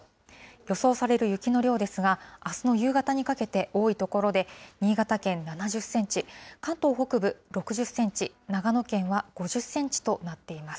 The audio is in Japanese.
予想される雪の量ですが、あすの夕方にかけて、多い所で、新潟県７０センチ、関東北部６０センチ、長野県は５０センチとなっています。